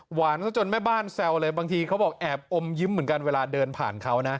ซะจนแม่บ้านแซวเลยบางทีเขาบอกแอบอมยิ้มเหมือนกันเวลาเดินผ่านเขานะ